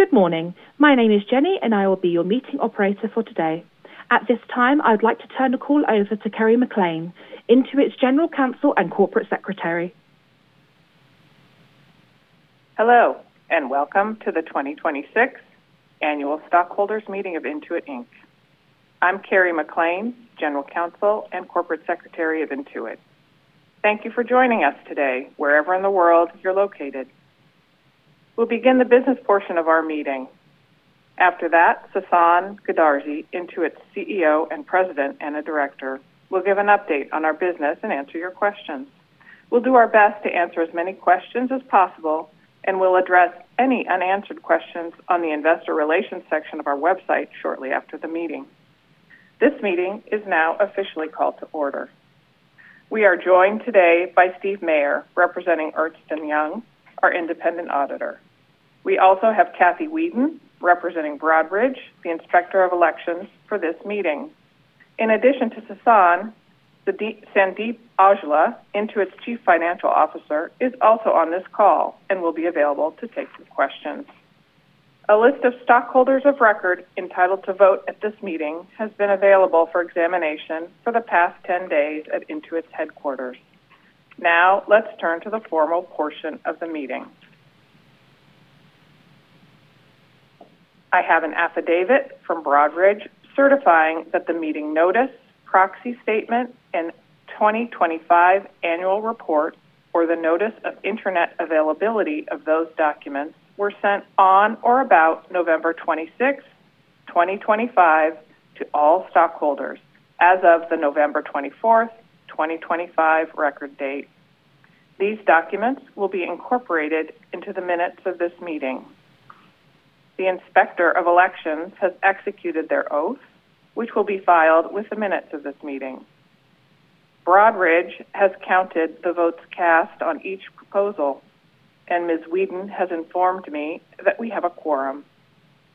Good morning. My name is Jenny, and I will be your meeting operator for today. At this time, I would like to turn the call over to Kerry McLean, Intuit's General Counsel and Corporate Secretary. Hello, and welcome to the 2026 Annual Stockholders' Meeting of Intuit Inc. I'm Kerry McLean, General Counsel and Corporate Secretary of Intuit. Thank you for joining us today, wherever in the world you're located. We'll begin the business portion of our meeting. After that, Sasan Goodarzi, Intuit's CEO and President and a Director, will give an update on our business and answer your questions. We'll do our best to answer as many questions as possible, and we'll address any unanswered questions on the Investor Relations section of our website shortly after the meeting. This meeting is now officially called to order. We are joined today by Steve Mayer, representing Ernst & Young, our independent auditor. We also have Kathy Wheaton, representing Broadridge, the Inspector of Elections for this meeting. In addition to Sasan, Sandeep Aujla, Intuit's Chief Financial Officer, is also on this call and will be available to take your questions. A list of stockholders of record entitled to vote at this meeting has been available for examination for the past 10 days at Intuit's headquarters. Now, let's turn to the formal portion of the meeting. I have an affidavit from Broadridge certifying that the meeting notice, proxy statement, and 2025 annual report, or the Notice of Internet Availability of those documents, were sent on or about November 26, 2025, to all stockholders as of the November 24, 2025, record date. These documents will be incorporated into the minutes of this meeting. The Inspector of Elections has executed their oath, which will be filed with the minutes of this meeting. Broadridge has counted the votes cast on each proposal, and Ms. Wheaton has informed me that we have a quorum.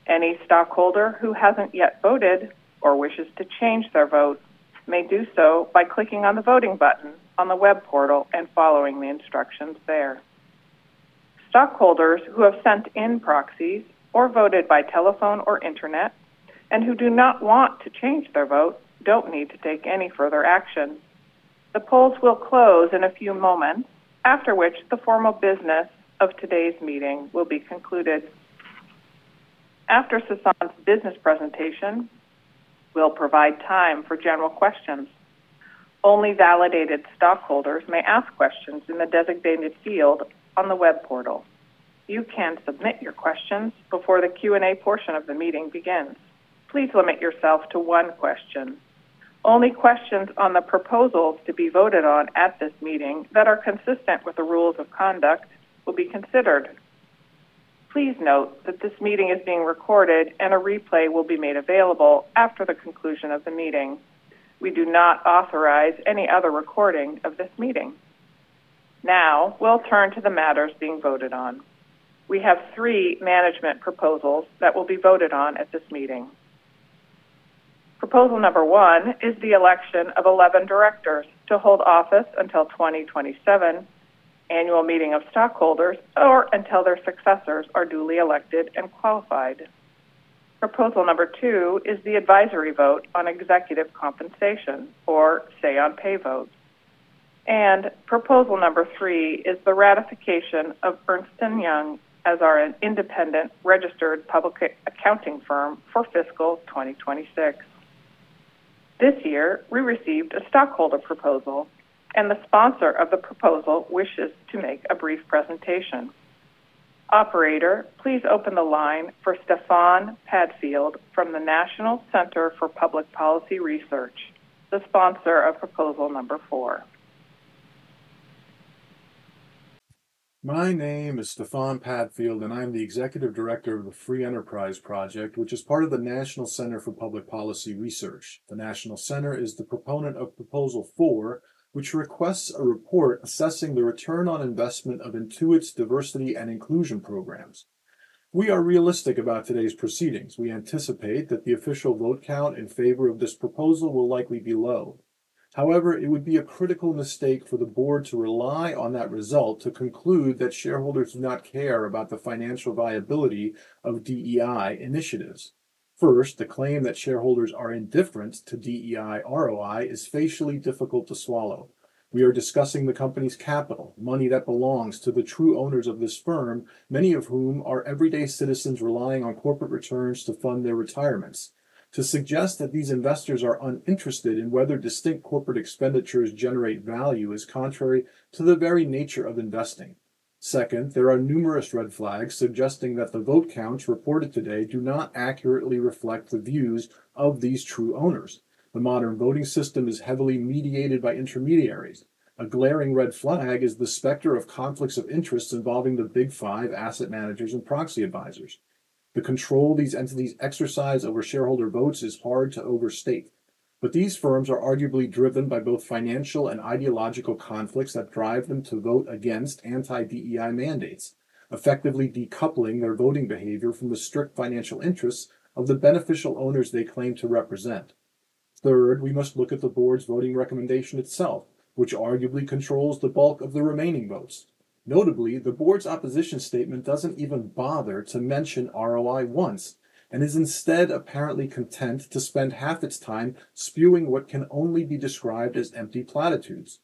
Any stockholder who hasn't yet voted or wishes to change their vote may do so by clicking on the voting button on the web portal and following the instructions there. Stockholders who have sent in proxies or voted by telephone or internet and who do not want to change their vote don't need to take any further action. The polls will close in a few moments, after which the formal business of today's meeting will be concluded. After Sasan's business presentation, we'll provide time for general questions. Only validated stockholders may ask questions in the designated field on the web portal. You can submit your questions before the Q&A portion of the meeting begins. Please limit yourself to one question. Only questions on the proposals to be voted on at this meeting that are consistent with the rules of conduct will be considered. Please note that this meeting is being recorded, and a replay will be made available after the conclusion of the meeting. We do not authorize any other recording of this meeting. Now, we'll turn to the matters being voted on. We have three management proposals that will be voted on at this meeting. Proposal number one is the election of 11 directors to hold office until 2027 annual meeting of stockholders, or until their successors are duly elected and qualified. Proposal number two is the advisory vote on executive compensation, or say-on-pay vote, and proposal number three is the ratification of Ernst & Young as our independent registered public accounting firm for fiscal 2026. This year, we received a stockholder proposal, and the sponsor of the proposal wishes to make a brief presentation. Operator, please open the line for Stefan Padfield from the National Center for Public Policy Research, the sponsor of proposal number four. My name is Stefan Padfield, and I'm the Executive Director of the Free Enterprise Project, which is part of the National Center for Public Policy Research. The National Center is the proponent of proposal four, which requests a report assessing the return on investment of Intuit's diversity and inclusion programs. We are realistic about today's proceedings. We anticipate that the official vote count in favor of this proposal will likely be low. However, it would be a critical mistake for the board to rely on that result to conclude that shareholders do not care about the financial viability of DEI initiatives. First, the claim that shareholders are indifferent to DEI ROI is facially difficult to swallow. We are discussing the company's capital, money that belongs to the true owners of this firm, many of whom are everyday citizens relying on corporate returns to fund their retirements. To suggest that these investors are uninterested in whether distinct corporate expenditures generate value is contrary to the very nature of investing. Second, there are numerous red flags suggesting that the vote counts reported today do not accurately reflect the views of these true owners. The modern voting system is heavily mediated by intermediaries. A glaring red flag is the specter of conflicts of interest involving the Big Five asset managers and proxy advisors. The control these entities exercise over shareholder votes is hard to overstate. But these firms are arguably driven by both financial and ideological conflicts that drive them to vote against anti-DEI mandates, effectively decoupling their voting behavior from the strict financial interests of the beneficial owners they claim to represent. Third, we must look at the board's voting recommendation itself, which arguably controls the bulk of the remaining votes. Notably, the board's opposition statement doesn't even bother to mention ROI once and is instead apparently content to spend half its time spewing what can only be described as empty platitudes.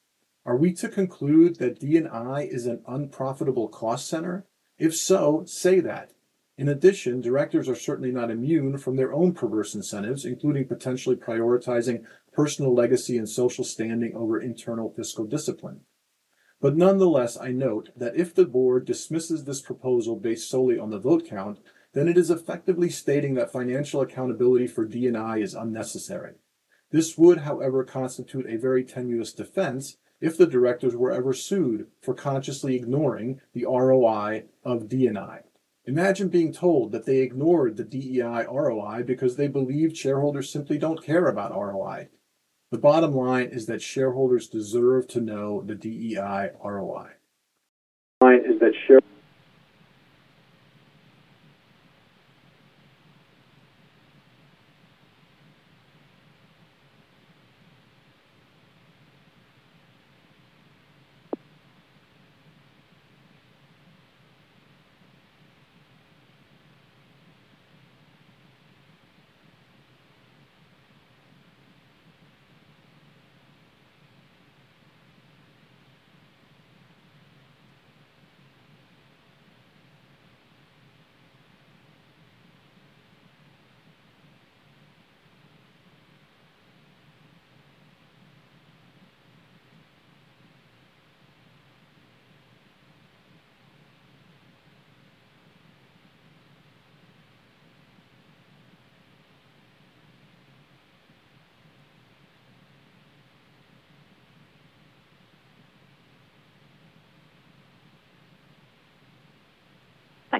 Are we to conclude that D&I is an unprofitable cost center? If so, say that. In addition, directors are certainly not immune from their own perverse incentives, including potentially prioritizing personal legacy and social standing over internal fiscal discipline, but nonetheless, I note that if the board dismisses this proposal based solely on the vote count, then it is effectively stating that financial accountability for D&I is unnecessary. This would, however, constitute a very tenuous defense if the directors were ever sued for consciously ignoring the ROI of D&I. Imagine being told that they ignored the DEI ROI because they believe shareholders simply don't care about ROI. The bottom line is that shareholders deserve to know the DEI ROI.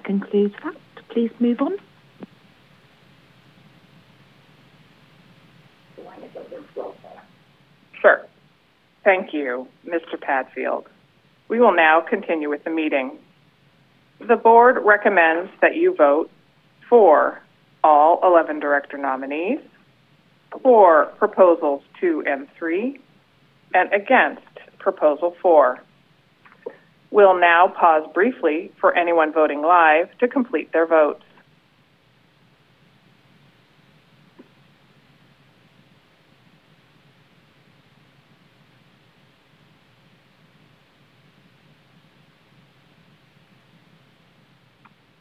That concludes that. Please move on. Sure. Thank you, Mr. Padfield. We will now continue with the meeting. The board recommends that you vote for all 11 director nominees, for proposals two and three, and against proposal four. We'll now pause briefly for anyone voting live to complete their votes.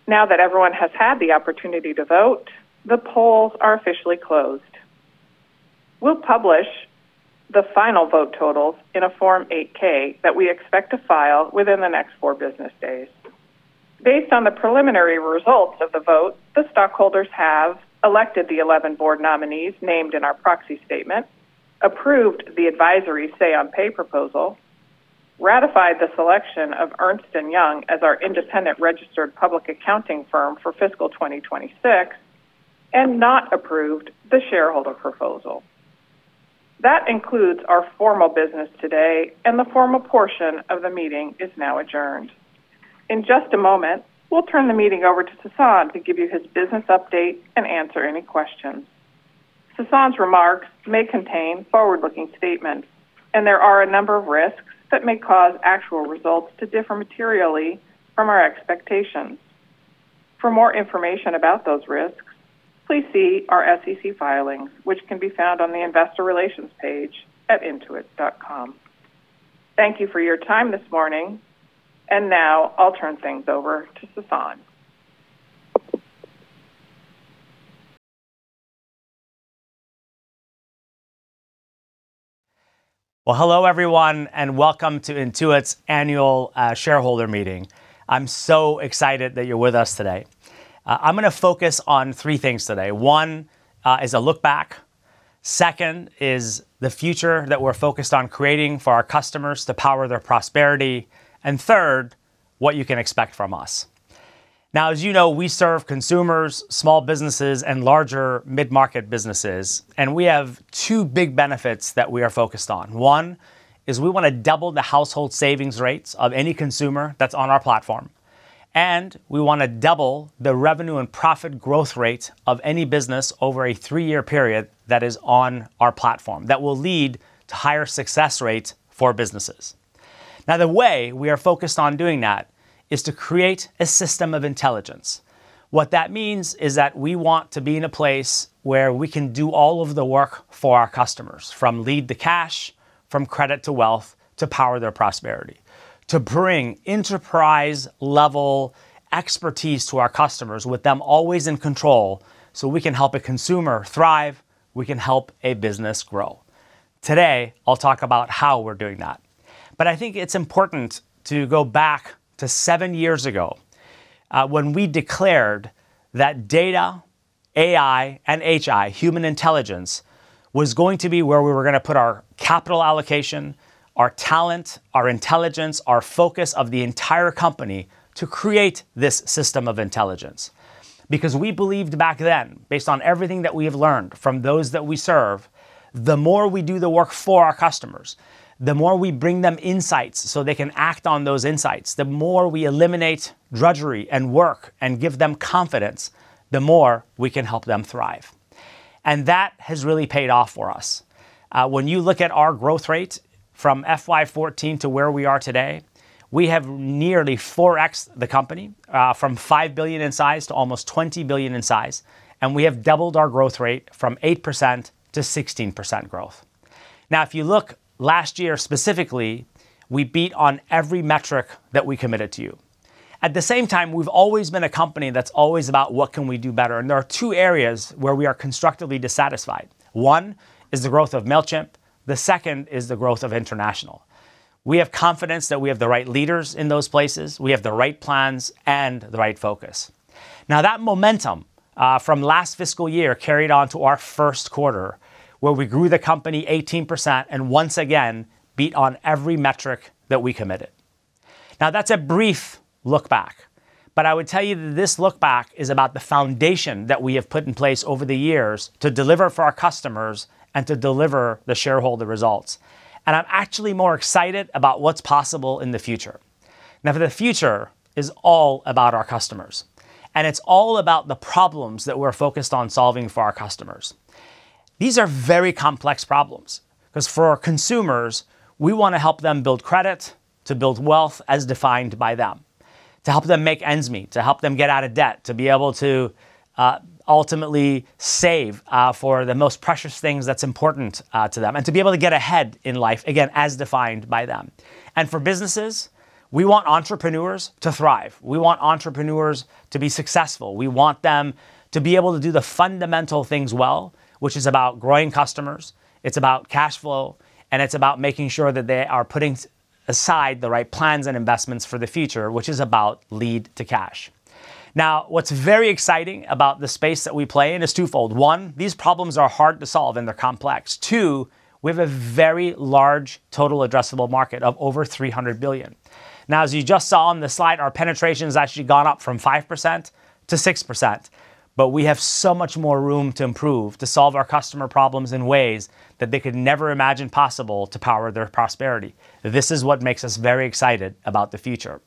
Now that everyone has had the opportunity to vote, the polls are officially closed. We'll publish the final vote totals in a Form 8-K that we expect to file within the next four business days. Based on the preliminary results of the vote, the stockholders have elected the 11 board nominees named in our proxy statement, approved the advisory say-on-pay proposal, ratified the selection of Ernst & Young as our independent registered public accounting firm for fiscal 2026, and not approved the shareholder proposal. That includes our formal business today, and the formal portion of the meeting is now adjourned. In just a moment, we'll turn the meeting over to Sasan to give you his business update and answer any questions. Sasan's remarks may contain forward-looking statements, and there are a number of risks that may cause actual results to differ materially from our expectations. For more information about those risks, please see our SEC filings, which can be found on the Investor Relations page at intuit.com. Thank you for your time this morning, and now I'll turn things over to Sasan. Hello, everyone, and welcome to Intuit's annual shareholder meeting. I'm so excited that you're with us today. I'm going to focus on three things today. One is a look back. Second is the future that we're focused on creating for our customers to power their prosperity. And third, what you can expect from us. Now, as you know, we serve consumers, small businesses, and larger mid-market businesses. And we have two big benefits that we are focused on. One is we want to double the household savings rates of any consumer that's on our platform. And we want to double the revenue and profit growth rate of any business over a three-year period that is on our platform. That will lead to higher success rates for businesses. Now, the way we are focused on doing that is to create a system of intelligence. What that means is that we want to be in a place where we can do all of the work for our customers, from lead to cash, from credit to wealth, to power their prosperity, to bring enterprise-level expertise to our customers with them always in control so we can help a consumer thrive. We can help a business grow. Today, I'll talk about how we're doing that. But I think it's important to go back to seven years ago when we declared that data, AI, and HI, human intelligence, was going to be where we were going to put our capital allocation, our talent, our intelligence, our focus of the entire company to create this system of intelligence. Because we believed back then, based on everything that we have learned from those that we serve, the more we do the work for our customers, the more we bring them insights so they can act on those insights, the more we eliminate drudgery and work and give them confidence, the more we can help them thrive. And that has really paid off for us. When you look at our growth rate from FY14 to where we are today, we have nearly 4X the company from $5 billion in size to almost $20 billion in size. And we have doubled our growth rate from 8% to 16% growth. Now, if you look last year specifically, we beat on every metric that we committed to you. At the same time, we've always been a company that's always about what can we do better. And there are two areas where we are constructively dissatisfied. One is the growth of Mailchimp. The second is the growth of international. We have confidence that we have the right leaders in those places. We have the right plans and the right focus. Now, that momentum from last fiscal year carried on to our first quarter where we grew the company 18% and once again beat on every metric that we committed. Now, that's a brief look back. But I would tell you that this look back is about the foundation that we have put in place over the years to deliver for our customers and to deliver the shareholder results. And I'm actually more excited about what's possible in the future. Now, for the future is all about our customers. And it's all about the problems that we're focused on solving for our customers. These are very complex problems because for consumers, we want to help them build credit to build wealth as defined by them, to help them make ends meet, to help them get out of debt, to be able to ultimately save for the most precious things that's important to them, and to be able to get ahead in life, again, as defined by them. And for businesses, we want entrepreneurs to thrive. We want entrepreneurs to be successful. We want them to be able to do the fundamental things well, which is about growing customers. It's about cash flow, and it's about making sure that they are putting aside the right plans and investments for the future, which is about Lead to Cash. Now, what's very exciting about the space that we play in is twofold. One, these problems are hard to solve and they're complex. Two, we have a very large total addressable market of over $300 billion. Now, as you just saw on the slide, our penetration has actually gone up from 5% to 6%. But we have so much more room to improve, to solve our customer problems in ways that they could never imagine possible to power their prosperity. This is what makes us very excited about the future.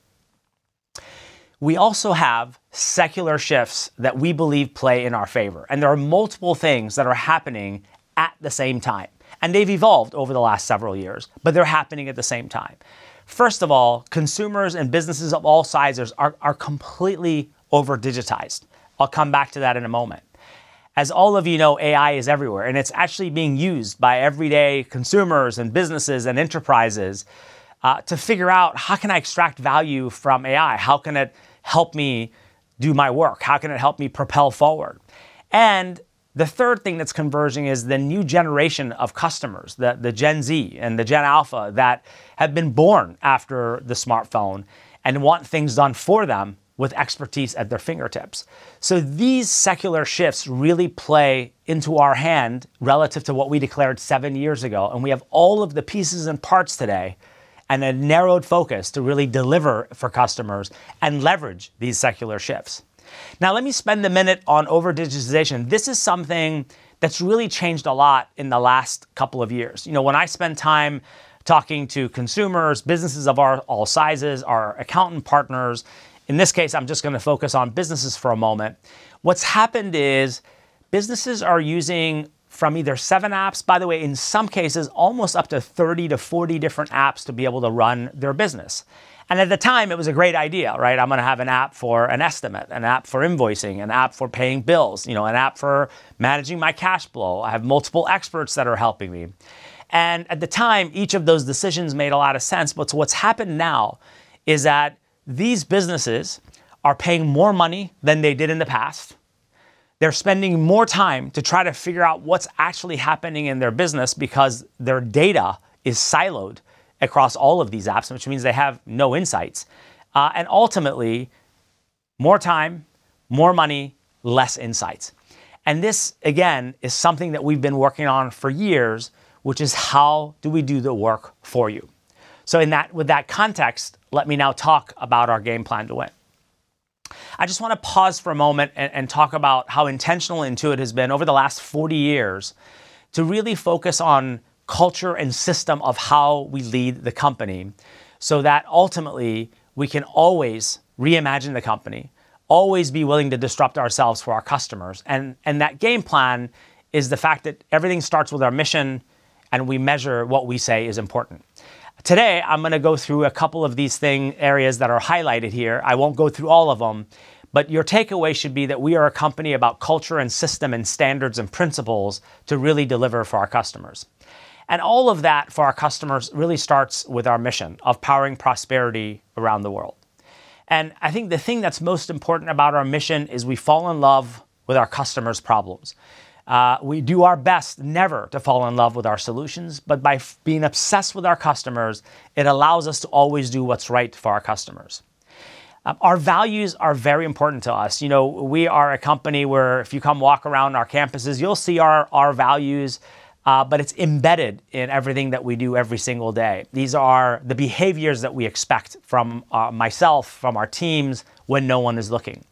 We also have secular shifts that we believe play in our favor, and there are multiple things that are happening at the same time, and they've evolved over the last several years, but they're happening at the same time. First of all, consumers and businesses of all sizes are completely over-digitized. I'll come back to that in a moment. As all of you know, AI is everywhere, and it's actually being used by everyday consumers and businesses and enterprises to figure out how can I extract value from AI? How can it help me do my work? How can it help me propel forward? And the third thing that's converging is the new generation of customers, the Gen Z and the Gen Alpha that have been born after the smartphone and want things done for them with expertise at their fingertips. So these secular shifts really play into our hand relative to what we declared seven years ago. And we have all of the pieces and parts today and a narrowed focus to really deliver for customers and leverage these secular shifts. Now, let me spend a minute on over-digitization. This is something that's really changed a lot in the last couple of years. When I spend time talking to consumers, businesses of all sizes, our accountant partners, in this case, I'm just going to focus on businesses for a moment. What's happened is businesses are using from either seven apps, by the way, in some cases, almost up to 30 to 40 different apps to be able to run their business. And at the time, it was a great idea. I'm going to have an app for an estimate, an app for invoicing, an app for paying bills, an app for managing my cash flow. I have multiple experts that are helping me. And at the time, each of those decisions made a lot of sense. But what's happened now is that these businesses are paying more money than they did in the past. They're spending more time to try to figure out what's actually happening in their business because their data is siloed across all of these apps, which means they have no insights. And ultimately, more time, more money, less insights. And this, again, is something that we've been working on for years, which is how do we do the work for you. So with that context, let me now talk about our game plan to win. I just want to pause for a moment and talk about how intentional Intuit has been over the last 40 years to really focus on culture and system of how we lead the company so that ultimately we can always reimagine the company, always be willing to disrupt ourselves for our customers. And that game plan is the fact that everything starts with our mission, and we measure what we say is important. Today, I'm going to go through a couple of these areas that are highlighted here. I won't go through all of them. But your takeaway should be that we are a company about culture and system and standards and principles to really deliver for our customers. And all of that for our customers really starts with our mission of powering prosperity around the world. And I think the thing that's most important about our mission is we fall in love with our customers' problems. We do our best never to fall in love with our solutions. But by being obsessed with our customers, it allows us to always do what's right for our customers. Our values are very important to us. We are a company where if you come walk around our campuses, you'll see our values. But it's embedded in everything that we do every single day. These are the behaviors that we expect from myself, from our teams when no one is looking.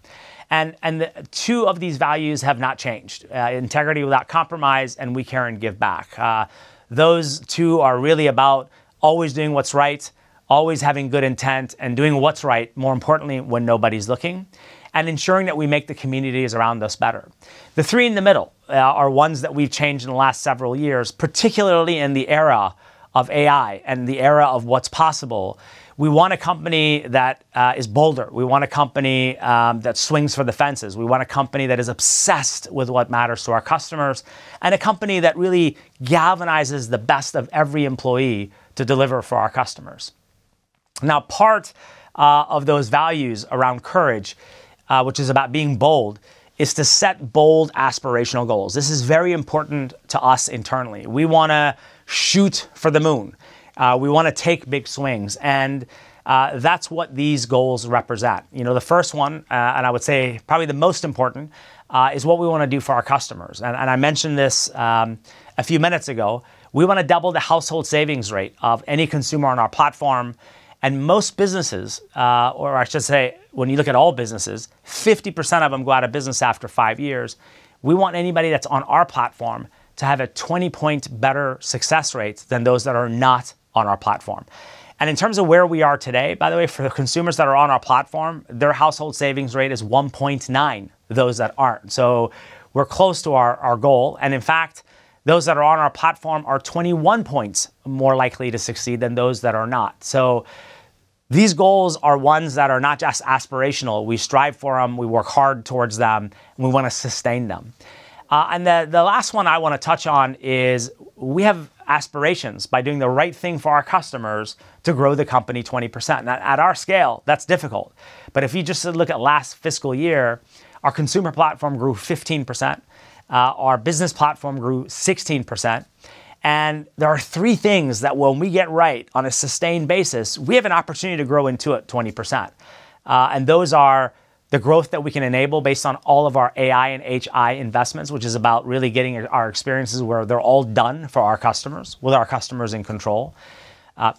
And two of these values have not changed: integrity without compromise and we care and give back. Those two are really about always doing what's right, always having good intent, and doing what's right, more importantly, when nobody's looking, and ensuring that we make the communities around us better. The three in the middle are ones that we've changed in the last several years, particularly in the era of AI and the era of what's possible. We want a company that is bolder. We want a company that swings for the fences. We want a company that is obsessed with what matters to our customers and a company that really galvanizes the best of every employee to deliver for our customers. Now, part of those values around courage, which is about being bold, is to set bold aspirational goals. This is very important to us internally. We want to shoot for the moon. We want to take big swings. And that's what these goals represent. The first one, and I would say probably the most important, is what we want to do for our customers. And I mentioned this a few minutes ago. We want to double the household savings rate of any consumer on our platform. And most businesses, or I should say, when you look at all businesses, 50% of them go out of business after five years. We want anybody that's on our platform to have a 20-point better success rate than those that are not on our platform. And in terms of where we are today, by the way, for the consumers that are on our platform, their household savings rate is 1.9%. Those that aren't. So we're close to our goal. And in fact, those that are on our platform are 21 points more likely to succeed than those that are not. So these goals are ones that are not just aspirational. We strive for them. We work hard towards them. We want to sustain them. And the last one I want to touch on is we have aspirations by doing the right thing for our customers to grow the company 20%. At our scale, that's difficult. But if you just look at last fiscal year, our consumer platform grew 15%. Our business platform grew 16%. And there are three things that when we get right on a sustained basis, we have an opportunity to grow Intuit 20%. And those are the growth that we can enable based on all of our AI and HI investments, which is about really getting our experiences where they're all done for our customers, with our customers in control,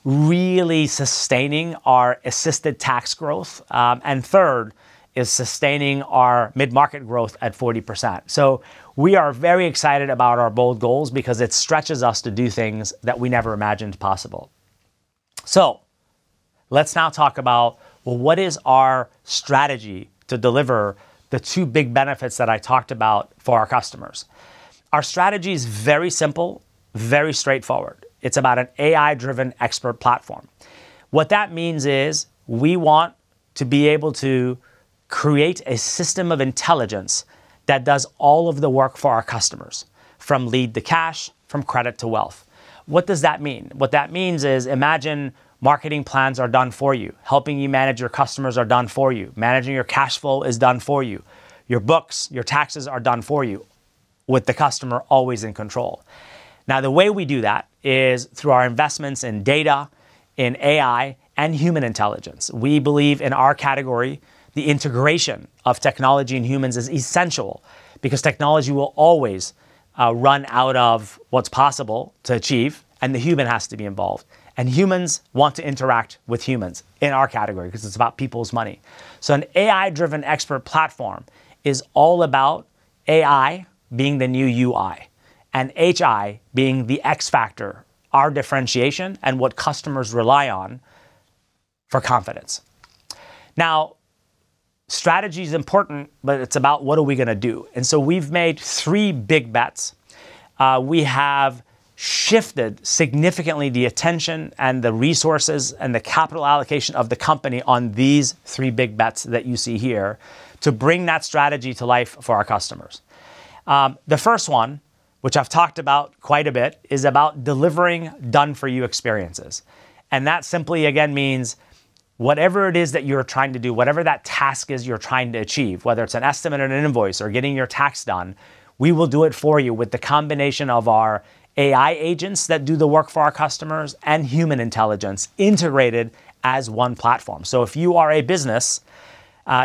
really sustaining our assisted tax growth. And third is sustaining our mid-market growth at 40%. So we are very excited about our bold goals because it stretches us to do things that we never imagined possible. So let's now talk about, well, what is our strategy to deliver the two big benefits that I talked about for our customers? Our strategy is very simple, very straightforward. It's about an AI-driven expert platform. What that means is we want to be able to create a system of intelligence that does all of the work for our customers, from lead to cash, from credit to wealth. What does that mean? What that means is imagine marketing plans are done for you. Helping you manage your customers are done for you. Managing your cash flow is done for you. Your books, your taxes are done for you with the customer always in control. Now, the way we do that is through our investments in data, in AI, and human intelligence. We believe in our category, the integration of technology and humans is essential because technology will always run out of what's possible to achieve, and the human has to be involved, and humans want to interact with humans in our category because it's about people's money. So an AI-driven expert platform is all about AI being the new UI and HI being the X factor, our differentiation and what customers rely on for confidence. Now, strategy is important, but it's about what are we going to do. And so we've made three big bets. We have shifted significantly the attention and the resources and the capital allocation of the company on these three big bets that you see here to bring that strategy to life for our customers. The first one, which I've talked about quite a bit, is about delivering done-for-you experiences. And that simply, again, means whatever it is that you're trying to do, whatever that task is you're trying to achieve, whether it's an estimate or an invoice or getting your tax done, we will do it for you with the combination of our AI agents that do the work for our customers and human intelligence integrated as one platform. So if you are a business,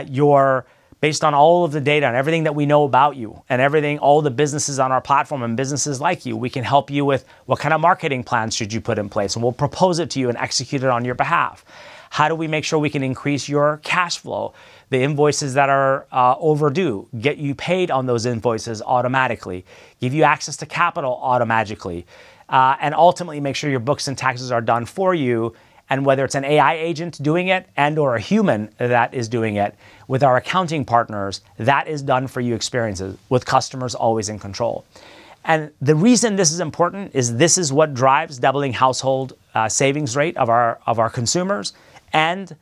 you're based on all of the data and everything that we know about you and all the businesses on our platform and businesses like you, we can help you with what kind of marketing plans should you put in place. And we'll propose it to you and execute it on your behalf. How do we make sure we can increase your cash flow, the invoices that are overdue, get you paid on those invoices automatically, give you access to capital automatically, and ultimately make sure your books and taxes are done for you? And whether it's an AI agent doing it and/or a human that is doing it with our accounting partners, that is done-for-you experiences with customers always in control. And the reason this is important is this is what drives doubling household savings rate of our consumers and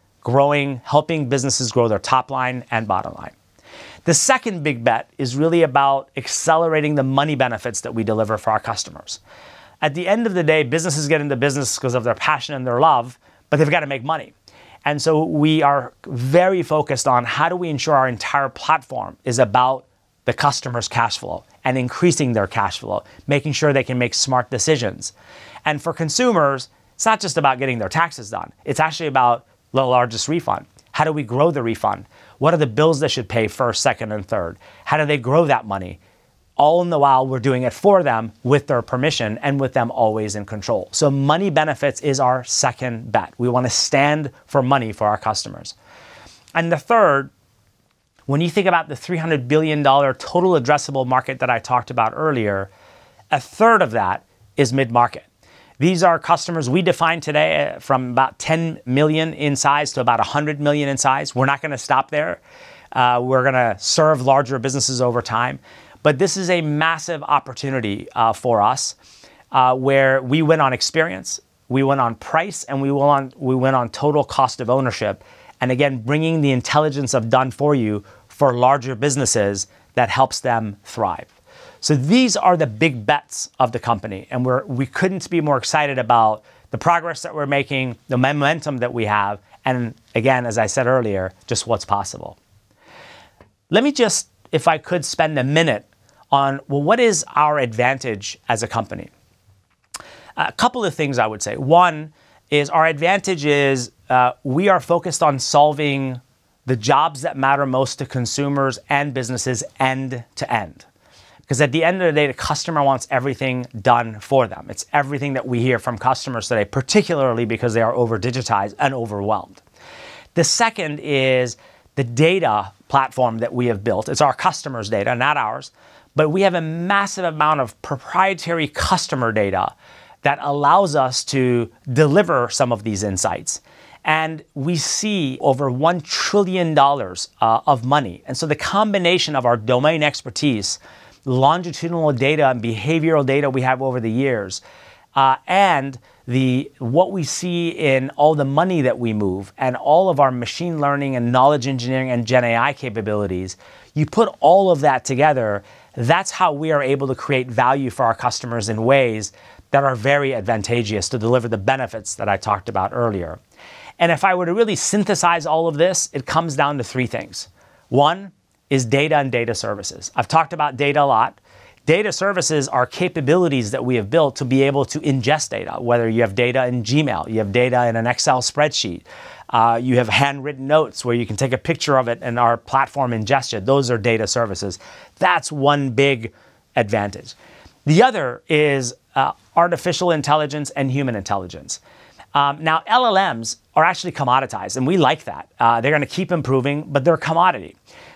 helping businesses grow their top line and bottom line. The second big bet is really about accelerating the money benefits that we deliver for our customers. At the end of the day, businesses get into business because of their passion and their love, but they've got to make money. And so we are very focused on how do we ensure our entire platform is about the customer's cash flow and increasing their cash flow, making sure they can make smart decisions. And for consumers, it's not just about getting their taxes done. It's actually about the largest refund. How do we grow the refund? What are the bills they should pay first, second, and third? How do they grow that money? All the while, we're doing it for them with their permission and with them always in control. So money movement is our second bet. We want to stand for money for our customers. And the third, when you think about the $300 billion total addressable market that I talked about earlier, a third of that is mid-market. These are customers we define today from about 10 million in size to about 100 million in size. We're not going to stop there. We're going to serve larger businesses over time. But this is a massive opportunity for us where we win on experience, we win on price, and we win on total cost of ownership, and again, bringing the intelligence of done-for-you for larger businesses that helps them thrive. So these are the big bets of the company. And we couldn't be more excited about the progress that we're making, the momentum that we have, and again, as I said earlier, just what's possible. Let me just, if I could, spend a minute on, well, what is our advantage as a company? A couple of things I would say. One is our advantage is we are focused on solving the jobs that matter most to consumers and businesses end to end because at the end of the day, the customer wants everything done for them. It's everything that we hear from customers today, particularly because they are over-digitized and overwhelmed. The second is the data platform that we have built. It's our customer's data, not ours. But we have a massive amount of proprietary customer data that allows us to deliver some of these insights. And we see over $1 trillion of money. And so the combination of our domain expertise, longitudinal data, and behavioral data we have over the years, and what we see in all the money that we move and all of our machine learning and knowledge engineering and Gen AI capabilities, you put all of that together, that's how we are able to create value for our customers in ways that are very advantageous to deliver the benefits that I talked about earlier. And if I were to really synthesize all of this, it comes down to three things. One is data and data services. I've talked about data a lot. Data services are capabilities that we have built to be able to ingest data, whether you have data in Gmail, you have data in an Excel spreadsheet, you have handwritten notes where you can take a picture of it in our platform ingestion. Those are data services. That's one big advantage. The other is artificial intelligence and human intelligence. Now, LLMs are actually commoditized, and we like that. They're going to keep improving, but they're commodity.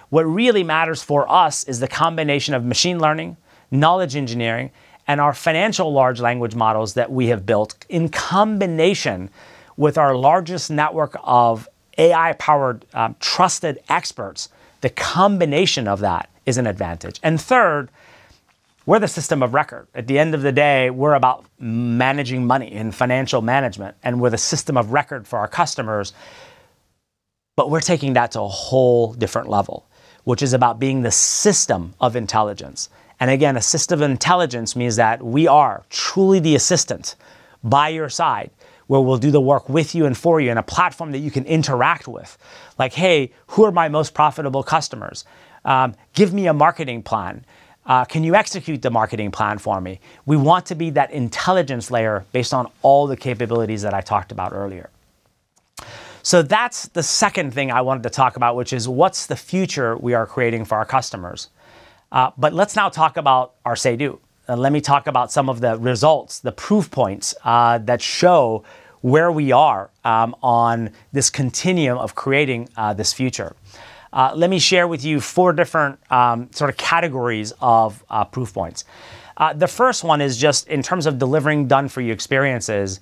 What really matters for us is the combination of machine learning, knowledge engineering, and our financial large language models that we have built in combination with our largest network of AI-powered trusted experts. The combination of that is an advantage. And third, we're the system of record. At the end of the day, we're about managing money and financial management, and we're the system of record for our customers. But we're taking that to a whole different level, which is about being the system of intelligence. And again, assisted intelligence means that we are truly the assistant by your side where we'll do the work with you and for you in a platform that you can interact with, like, "Hey, who are my most profitable customers? Give me a marketing plan. Can you execute the marketing plan for me?" We want to be that intelligence layer based on all the capabilities that I talked about earlier. So that's the second thing I wanted to talk about, which is what's the future we are creating for our customers. But let's now talk about our say-do. And let me talk about some of the results, the proof points that show where we are on this continuum of creating this future. Let me share with you four different sort of categories of proof points. The first one is just in terms of delivering done-for-you experiences.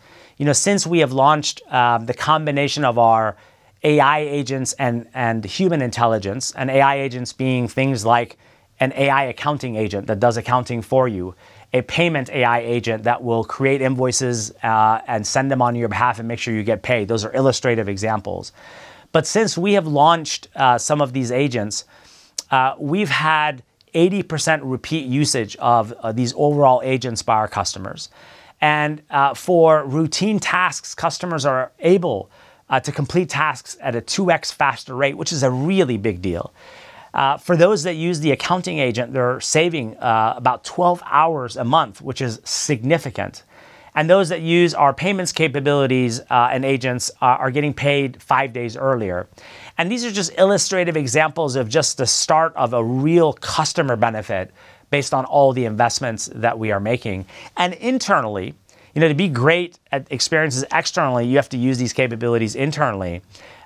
Since we have launched the combination of our AI agents and human intelligence, and AI agents being things like an AI accounting agent that does accounting for you, a payment AI agent that will create invoices and send them on your behalf and make sure you get paid. Those are illustrative examples. But since we have launched some of these agents, we've had 80% repeat usage of these overall agents by our customers. And for routine tasks, customers are able to complete tasks at a 2x faster rate, which is a really big deal. For those that use the accounting agent, they're saving about 12 hours a month, which is significant, and those that use our payments capabilities and agents are getting paid five days earlier, and these are just illustrative examples of just the start of a real customer benefit based on all the investments that we are making, and internally, to be great at experiences externally, you have to use these capabilities internally.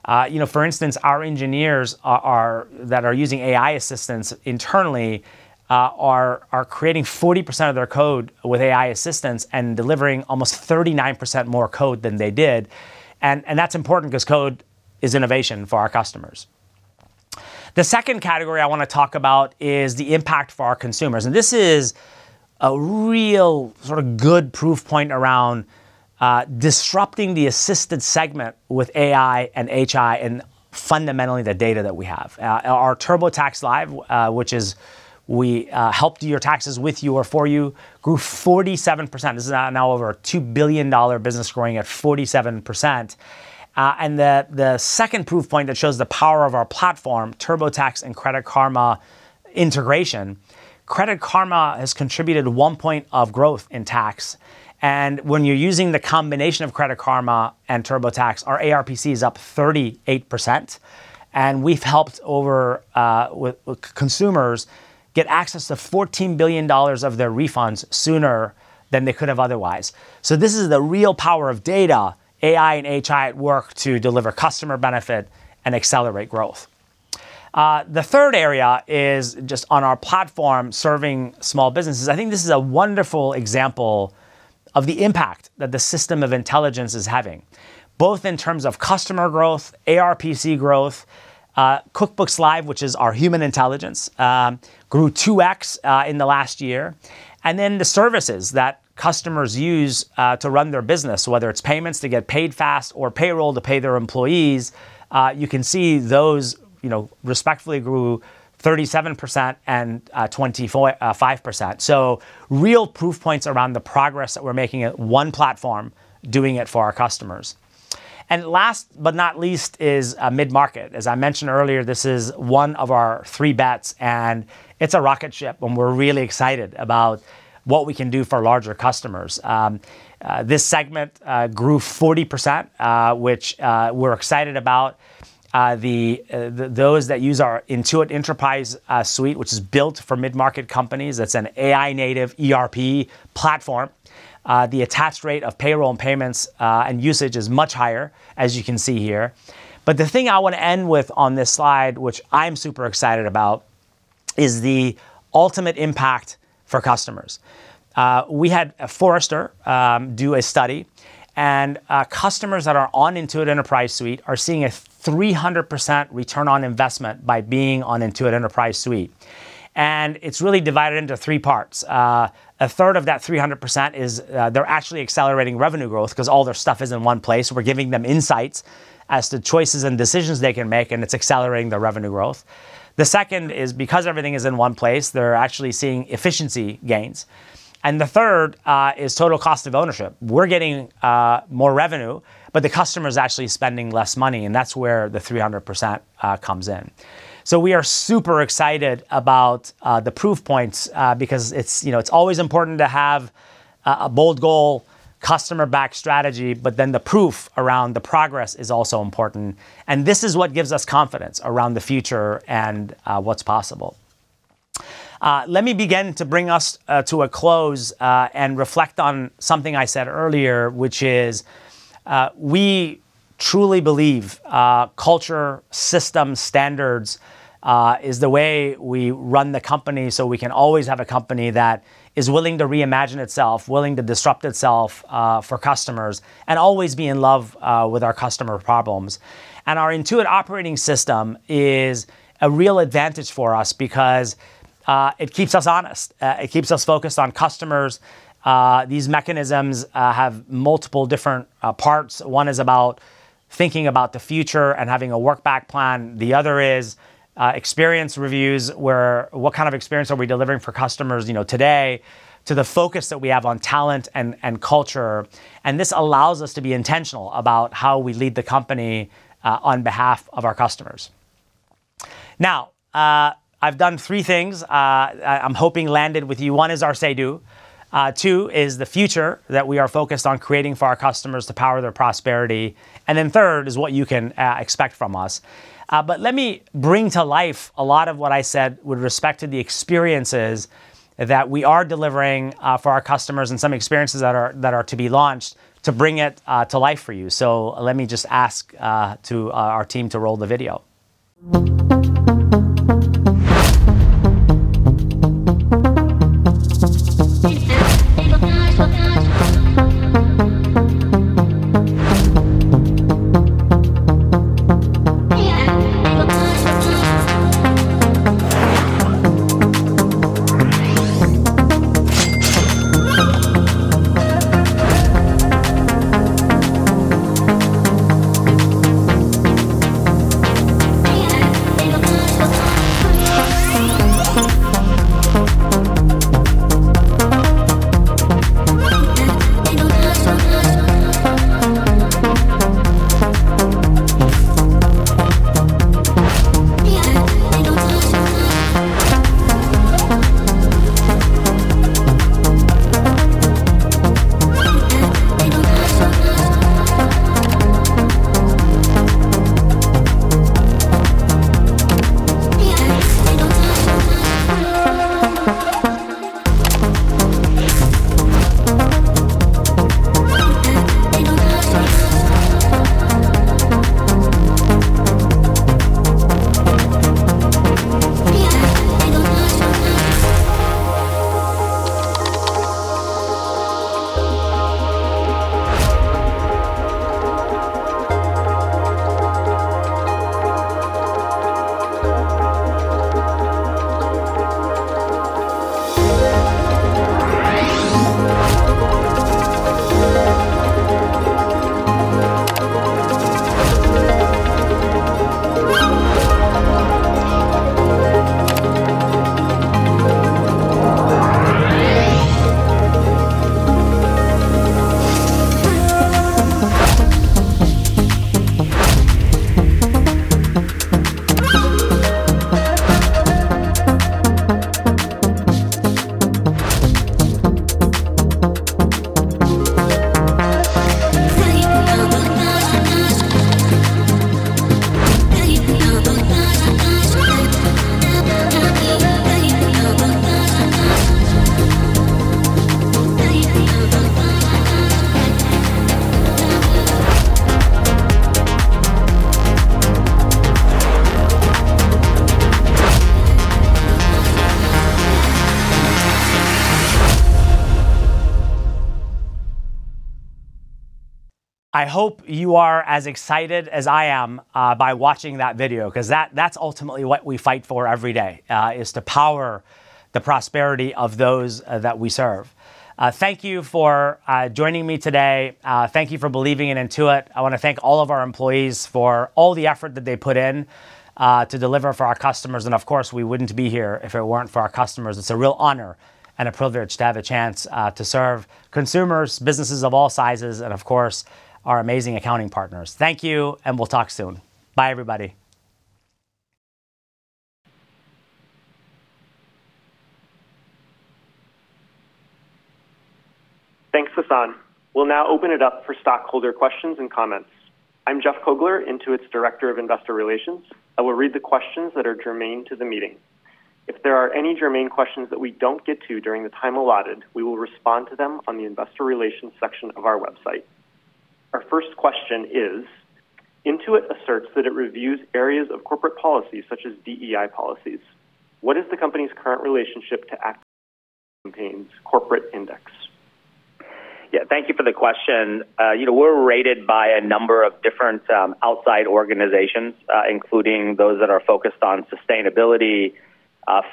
For instance, our engineers that are using AI assistants internally are creating 40% of their code with AI assistants and delivering almost 39% more code than they did, and that's important because code is innovation for our customers. The second category I want to talk about is the impact for our consumers, and this is a real sort of good proof point around disrupting the assisted segment with AI and HI and fundamentally the data that we have. Our TurboTax Live, which is, we help do your taxes with you or for you, grew 47%. This is now over $2 billion business growing at 47%. And the second proof point that shows the power of our platform, TurboTax and Credit Karma integration, Credit Karma has contributed one point of growth in tax. And when you're using the combination of Credit Karma and TurboTax, our ARPC is up 38%. And we've helped consumers get access to $14 billion of their refunds sooner than they could have otherwise. So this is the real power of data, AI and HI at work to deliver customer benefit and accelerate growth. The third area is just on our platform serving small businesses. I think this is a wonderful example of the impact that the system of intelligence is having, both in terms of customer growth, ARPC growth. QuickBooks Live, which is our human intelligence, grew 2x in the last year, and then the services that customers use to run their business, whether it's payments to get paid fast or payroll to pay their employees, you can see those respectively grew 37% and 25%. Real proof points around the progress that we're making at one platform doing it for our customers, and last but not least is mid-market. As I mentioned earlier, this is one of our three bets, and it's a rocket ship, and we're really excited about what we can do for larger customers. This segment grew 40%, which we're excited about. Those that use our Intuit Enterprise Suite, which is built for mid-market companies, that's an AI-native ERP platform. The attached rate of payroll and payments and usage is much higher, as you can see here. But the thing I want to end with on this slide, which I'm super excited about, is the ultimate impact for customers. We had Forrester do a study, and customers that are on Intuit Enterprise Suite are seeing a 300% return on investment by being on Intuit Enterprise Suite. And it's really divided into three parts. A third of that 300% is they're actually accelerating revenue growth because all their stuff is in one place. We're giving them insights as to choices and decisions they can make, and it's accelerating their revenue growth. The second is because everything is in one place, they're actually seeing efficiency gains. And the third is total cost of ownership. We're getting more revenue, but the customer is actually spending less money, and that's where the 300% comes in. So we are super excited about the proof points because it's always important to have a bold goal, customer-backed strategy, but then the proof around the progress is also important. And this is what gives us confidence around the future and what's possible. Let me begin to bring us to a close and reflect on something I said earlier, which is we truly believe culture, systems, standards is the way we run the company so we can always have a company that is willing to reimagine itself, willing to disrupt itself for customers, and always be in love with our customer problems. And our Intuit operating system is a real advantage for us because it keeps us honest. It keeps us focused on customers. These mechanisms have multiple different parts. One is about thinking about the future and having a work-back plan. The other is experience reviews where what kind of experience are we delivering for customers today to the focus that we have on talent and culture. And this allows us to be intentional about how we lead the company on behalf of our customers. Now, I've done three things. I'm hoping landed with you. One is our say-do. Two is the future that we are focused on creating for our customers to power their prosperity. And then third is what you can expect from us. But let me bring to life a lot of what I said with respect to the experiences that we are delivering for our customers and some experiences that are to be launched to bring it to life for you. So let me just ask our team to roll the video. I hope you are as excited as I am by watching that video because that's ultimately what we fight for every day, is to power the prosperity of those that we serve. Thank you for joining me today. Thank you for believing in Intuit. I want to thank all of our employees for all the effort that they put in to deliver for our customers, and of course, we wouldn't be here if it weren't for our customers. It's a real honor and a privilege to have a chance to serve consumers, businesses of all sizes, and of course, our amazing accounting partners. Thank you, and we'll talk soon. Bye, everybody. Thanks, Sasan. We'll now open it up for stockholder questions and comments. I'm Jeff Cogler, Intuit's Director of Investor Relations. I will read the questions that are germane to the meeting. If there are any germane questions that we don't get to during the time allotted, we will respond to them on the Investor Relations section of our website. Our first question is, Intuit asserts that it reviews areas of corporate policy such as DEI policies. What is the company's current relationship to Human Rights Campaign's corporate index? Yeah, thank you for the question. We're rated by a number of different outside organizations, including those that are focused on sustainability,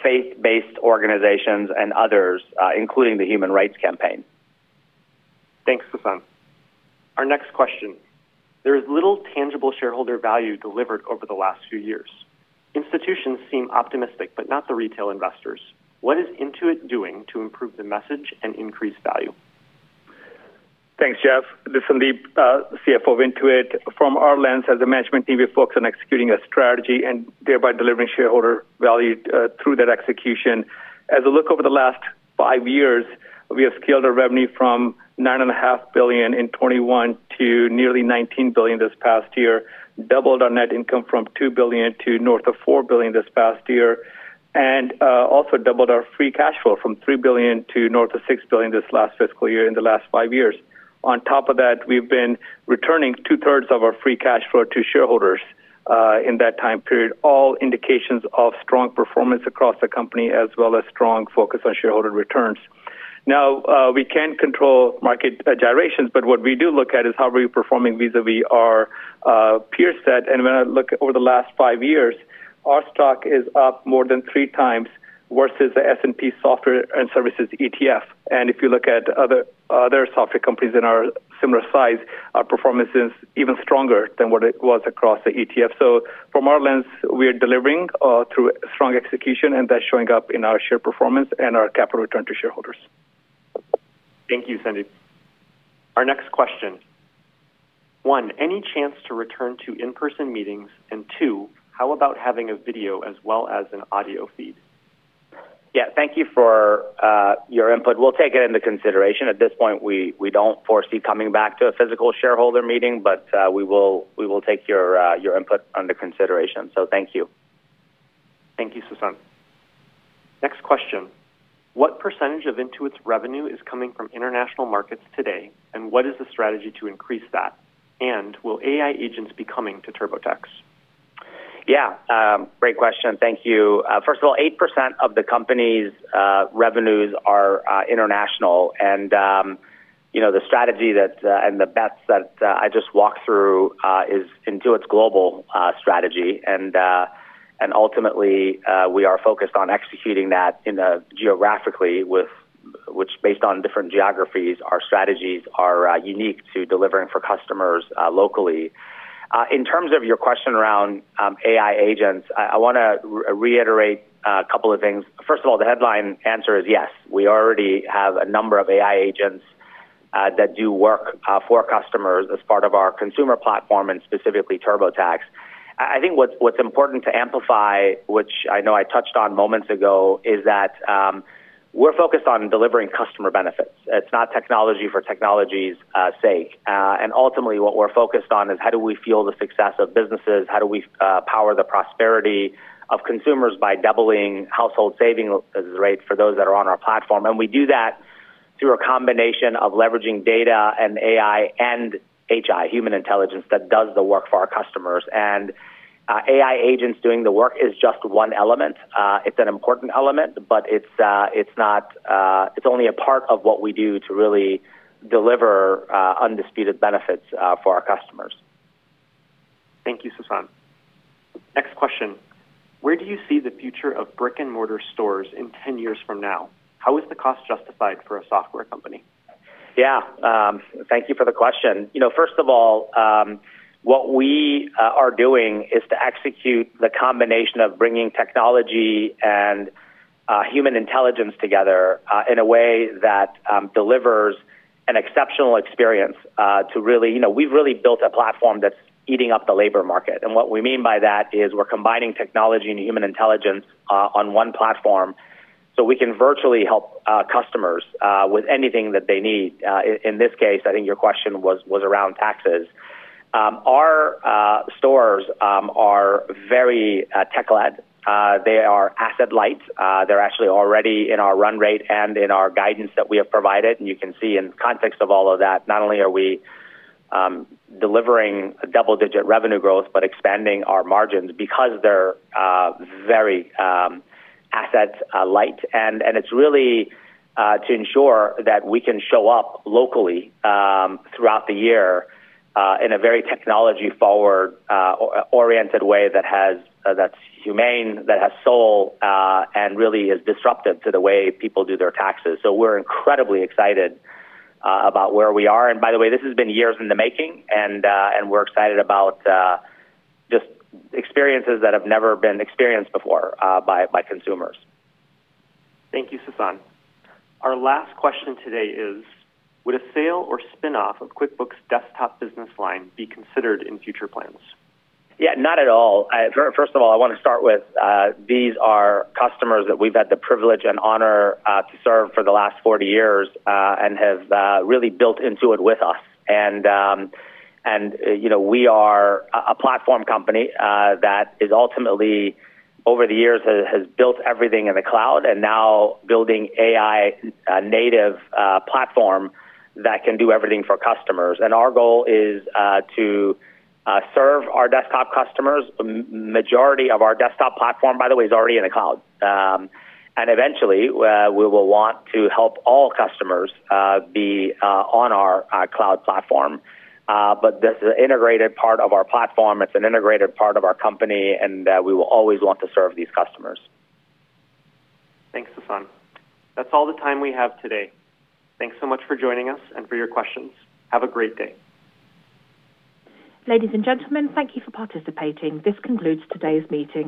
faith-based organizations, and others, including the Human Rights Campaign. Thanks, Sasan. Our next question. There is little tangible shareholder value delivered over the last few years. Institutions seem optimistic, but not the retail investors. What is Intuit doing to improve the message and increase value? Thanks, Jeff. This is Sandeep, CFO of Intuit. From our lens, as a management team, we focus on executing a strategy and thereby delivering shareholder value through that execution. As we look over the last five years, we have scaled our revenue from $9.5 billion in 2021 to nearly $19 billion this past year, doubled our net income from $2 billion to north of $4 billion this past year, and also doubled our free cash flow from $3 billion to north of $6 billion this last fiscal year in the last five years. On top of that, we've been returning two-thirds of our free cash flow to shareholders in that time period, all indications of strong performance across the company, as well as strong focus on shareholder returns. Now, we can't control market gyrations, but what we do look at is how are we performing vis-à-vis our peer set. When I look over the last five years, our stock is up more than three times versus the S&P Software and Services ETF. And if you look at other software companies in our similar size, our performance is even stronger than what it was across the ETF. So from our lens, we are delivering through strong execution, and that's showing up in our share performance and our capital return to shareholders. Thank you, Sandeep. Our next question. One, any chance to return to in-person meetings? And two, how about having a video as well as an audio feed? Yeah, thank you for your input. We'll take it into consideration. At this point, we don't foresee coming back to a physical shareholder meeting, but we will take your input under consideration. So thank you. Thank you, Sasan. Next question. What percentage of Intuit's revenue is coming from international markets today, and what is the strategy to increase that? And will AI agents be coming to TurboTax? Yeah, great question. Thank you. First of all, 8% of the company's revenues are international. And the strategy and the bets that I just walked through is Intuit's global strategy. And ultimately, we are focused on executing that geographically, which, based on different geographies, our strategies are unique to delivering for customers locally. In terms of your question around AI agents, I want to reiterate a couple of things. First of all, the headline answer is yes. We already have a number of AI agents that do work for customers as part of our consumer platform and specifically TurboTax. I think what's important to amplify, which I know I touched on moments ago, is that we're focused on delivering customer benefits. It's not technology for technology's sake. And ultimately, what we're focused on is how do we fuel the success of businesses? How do we power the prosperity of consumers by doubling household savings rates for those that are on our platform? And we do that through a combination of leveraging data and AI and HI, human intelligence, that does the work for our customers. And AI agents doing the work is just one element. It's an important element, but it's only a part of what we do to really deliver undisputed benefits for our customers. Thank you, Sasan. Next question. Where do you see the future of brick-and-mortar stores in 10 years from now? How is the cost justified for a software company? Yeah, thank you for the question. First of all, what we are doing is to execute the combination of bringing technology and human intelligence together in a way that delivers an exceptional experience to really. We've really built a platform that's eating up the labor market. And what we mean by that is we're combining technology and human intelligence on one platform so we can virtually help customers with anything that they need. In this case, I think your question was around taxes. Our stores are very tech-led. They are asset-light. They're actually already in our run rate and in our guidance that we have provided. And you can see in context of all of that, not only are we delivering double-digit revenue growth, but expanding our margins because they're very asset-light. And it's really to ensure that we can show up locally throughout the year in a very technology-oriented way that's humane, that has soul, and really is disruptive to the way people do their taxes. So we're incredibly excited about where we are. And by the way, this has been years in the making, and we're excited about just experiences that have never been experienced before by consumers. Thank you, Sasan. Our last question today is, would a sale or spinoff of QuickBooks' desktop business line be considered in future plans? Yeah, not at all. First of all, I want to start with these are customers that we've had the privilege and honor to serve for the last 40 years and have really built Intuit with us. And we are a platform company that has ultimately, over the years, built everything in the cloud and now building an AI-native platform that can do everything for customers. And our goal is to serve our desktop customers. The majority of our desktop platform, by the way, is already in the cloud. And eventually, we will want to help all customers be on our cloud platform. But this is an integrated part of our platform. It's an integrated part of our company, and we will always want to serve these customers. Thanks, Sasan. That's all the time we have today. Thanks so much for joining us and for your questions. Have a great day. Ladies and gentlemen, thank you for participating. This concludes today's meeting.